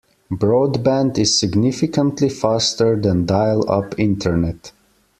Broadband is significantly faster than dial-up internet.